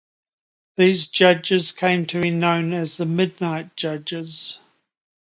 These judges came to be known as the Midnight Judges.